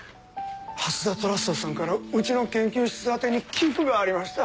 蓮田トラストさんからうちの研究室宛てに寄付がありました。